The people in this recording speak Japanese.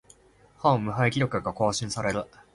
ホーム無敗記録が更新される